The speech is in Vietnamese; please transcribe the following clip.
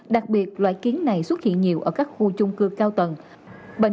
đặc biệt loại kiến này xuất hiện nhiều ở các khu chung cư cao tầng